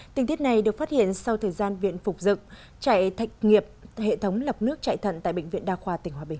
tình tiết này được phát hiện sau thời gian viện phục dựng chạy thạch nghiệp hệ thống lọc nước chạy thận tại bệnh viện đa khoa tỉnh hòa bình